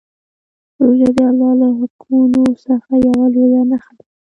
روژه د الله له حکمونو څخه یوه لویه نښه ده.